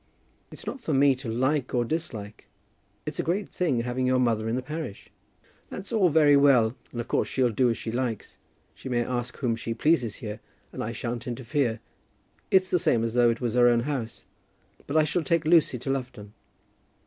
"It's not for me to like or dislike. It's a great thing having your mother in the parish." "That's all very well; and of course she'll do as she likes. She may ask whom she pleases here, and I shan't interfere. It's the same as though it was her own house. But I shall take Lucy to Lufton."